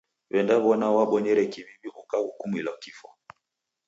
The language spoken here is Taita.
W'endaw'oneka wabonyere kiw'iw'i ukahukumilwa kifwa.